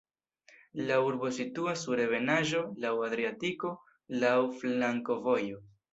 La urbo situas sur ebenaĵo, laŭ Adriatiko, laŭ flankovojoj.